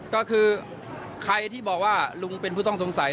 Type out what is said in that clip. ก็คือใครที่บอกว่าลุงเป็นผู้ต้องสงสัย